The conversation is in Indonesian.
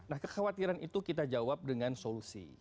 nah kekhawatiran itu kita jawab dengan solusi